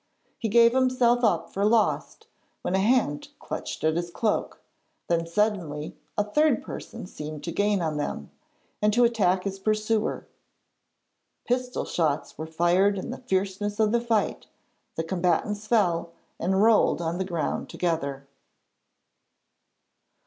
He gave himself up for lost, when a hand clutched at his cloak; then suddenly a third person seemed to gain on them, and to attack his pursuer. Pistol shots were fired in the fierceness of the fight, the combatants fell, and rolled on the ground together.